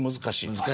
難しい。